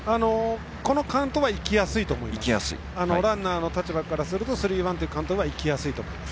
このカウントはいきやすいランナーの立場からするとスリーワンのカウントはいきやすいです。